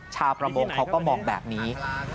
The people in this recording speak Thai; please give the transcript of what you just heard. ชาวประมงเขาก็มองแบบนี้